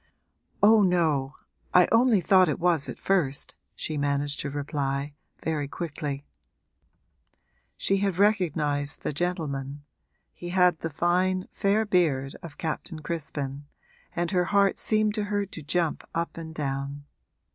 'Oh no, I only thought it was at first,' she managed to reply, very quickly. She had recognised the gentleman he had the fine fair beard of Captain Crispin and her heart seemed to her to jump up and down.